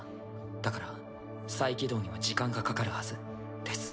だから再起動には時間がかかるはずです。